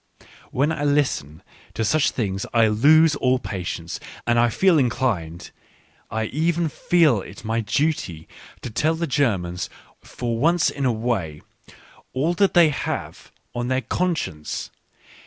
When I listen to such things, I lose all patience, and I feel inclined, I even feel it my duty, to tell the Germans, for once in a way, all that they have on their conscience.